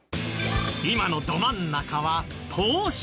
今のど真ん中は投資。